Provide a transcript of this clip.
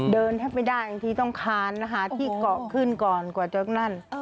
เดินแทบไม่ได้บางทีต้องคานหาที่เกาะขึ้นก่อนกว่าจะนั่น